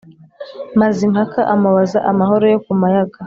mazimpaka amubaza amahoro yo ku mayaga